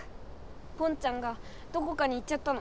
ポンちゃんがどこかに行っちゃったの。